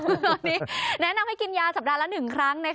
ตอนนี้แนะนำให้กินยาสัปดาห์ละ๑ครั้ง